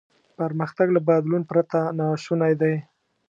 پرمختګ له بدلون پرته ناشونی دی.